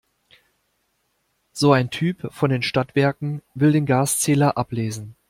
So ein Typ von den Stadtwerken will den Gaszähler ablesen.